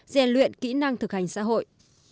dè luyện kỹ năng thực hành xã hội